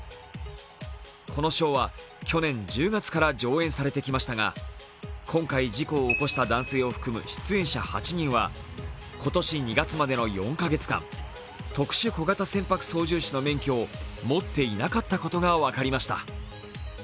このショーは去年１０月から上演されてきましたが、今回事故を起こした男性を含む出演者８人は今年２月までの４カ月間、特殊小型船舶操縦士の免許を持っていなかったことが分かりました。